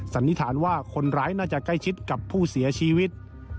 สันนิษฐานว่าคนร้ายน่าจะใกล้ชิดกับผู้เสียชีวิต